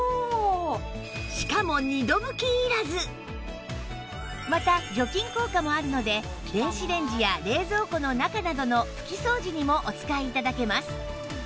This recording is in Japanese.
しかもまた除菌効果もあるので電子レンジや冷蔵庫の中などの拭き掃除にもお使い頂けます